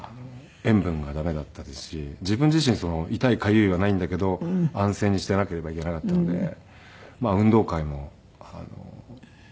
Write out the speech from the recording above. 塩分が駄目だったですし自分自身痛いかゆいはないんだけど安静にしていなければいけなかったので運動会も林間学校も出れなかったので。